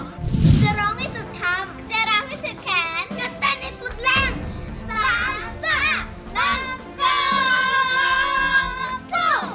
จะร้องให้สุดทำ